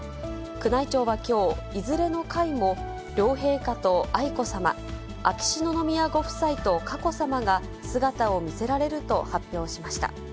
宮内庁はきょう、いずれの回も、両陛下と愛子さま、秋篠宮ご夫妻と佳子さまが姿を見せられると発表しました。